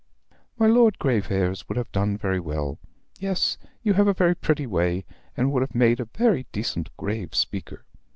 My Lord Graveairs would have done very well. Yes, you have a very pretty way, and would have made a very decent, grave speaker."